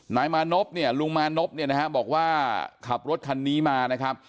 นายมานพเนี่ยลุงมานพเนี่ยนะฮะบอกว่าขับรถคันนี้มานะครับ